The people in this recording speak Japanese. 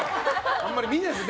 あんま見ないですよ。